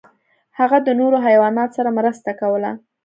هغه د نورو حیواناتو سره مرسته کوله.